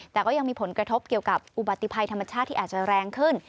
แต่ก็ยังมีผลกระทบเกี่ยวกับอุบัติภัยธรรมชาติที่อาจจะแรงขึ้น